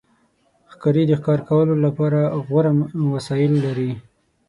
ښکاري د ښکار کولو لپاره غوره وسایل لري.